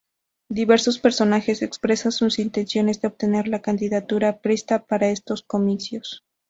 Diversos personajes expresaron sus intenciones de obtener la candidatura priista para estos comicios.